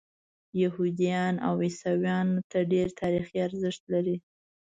یهودیانو او عیسویانو ته ډېر تاریخي ارزښت لري.